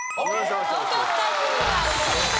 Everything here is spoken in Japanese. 東京スカイツリーは１位です。